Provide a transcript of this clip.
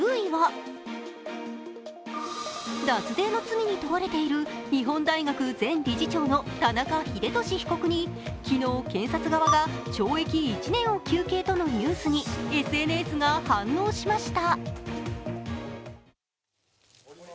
脱税の罪に問われている日本大学前理事長の田中英寿被告に昨日、検察側が懲役１年を求刑とのニュースにＳＮＳが反応しました。